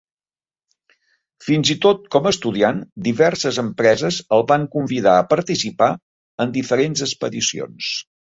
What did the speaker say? Fins i tot com a estudiant, diverses empreses el van convidar a participar en diferents expedicions.